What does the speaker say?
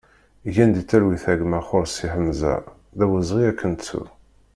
Gen di talwit a gma Xorsi Ḥemza, d awezɣi ad k-nettu!